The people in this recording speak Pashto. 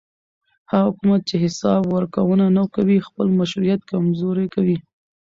هغه حکومت چې حساب ورکوونه نه کوي خپل مشروعیت کمزوری کوي